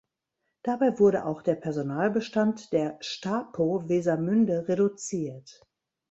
Dabei wurde auch der Personalbestand der Stapo Wesermünde reduziert.